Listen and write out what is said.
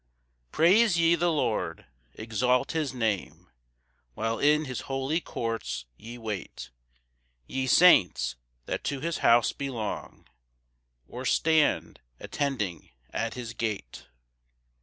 1 Praise ye the Lord, exalt his Name, While in his holy courts ye wait, Ye saints, that to his house belong, Or stand attending at his gate.